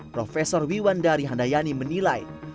prof wiwan dari handayani menilai